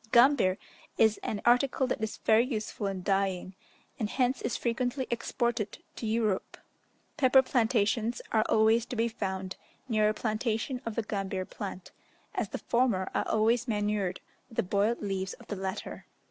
Gambir is an article that is very useful in dyeing, and hence is frequently exported to Europe. Pepper plantations are always to be found near a plantation of the gambir plant, as the former are always manured with the boiled leaves of the latter.